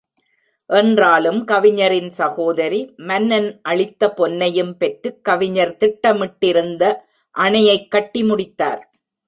என்றாலும், கவிஞரின் சகோதரி, மன்னன் அளித்த பொன்னைப் பெற்றுக் கவிஞர் திட்டமிட்டிருந்த அணையைக் கட்டி முடித்தார்.